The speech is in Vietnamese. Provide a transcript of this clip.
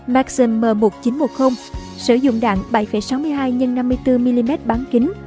maxim m một nghìn chín trăm một mươi sử dụng đạn bảy sáu mươi hai x năm mươi bốn mm bán kính